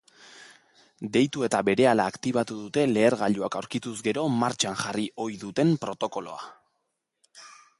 Deitu eta berehala aktibatu dute lehergailuak aurkituz gero martxan jarri ohi duten protokoloa.